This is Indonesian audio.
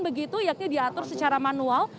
yaitu diatur secara manual